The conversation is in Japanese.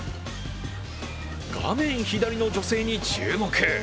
画面左の女性に注目。